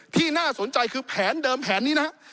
ที่น่าสนใจคือแผนเดิมแผนนี้นะครับ